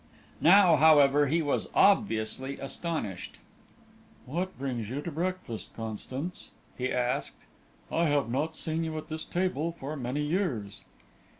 Now, however, he was obviously astonished. "What brings you to breakfast, Constance?" he asked. "I have not seen you at this table for many years."